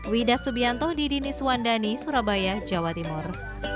widah subianto di dini suwandani surabaya jawa timur